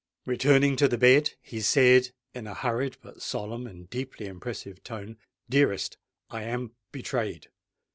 Returning to the bed, he said in a hurried but solemn and deeply impressive tone, "Dearest, I am betrayed.